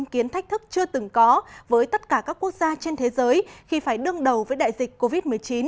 kiến thách thức chưa từng có với tất cả các quốc gia trên thế giới khi phải đương đầu với đại dịch covid một mươi chín